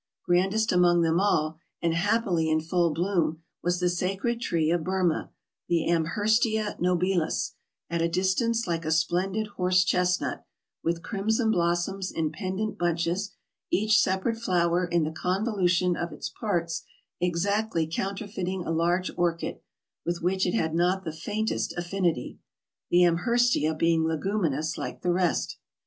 Grandest among them all, and happily in full bloom, was the sacred tree of Burmah, the Amherstia nobilis, at a distance like a splendid horse chestnut, with crimson blos soms in pendant bunches, each separate flower in the con volution of its parts exactly counterfeiting a large orchid, with which it had not the faintest affinity, the Amherstia being leguminous like the rest.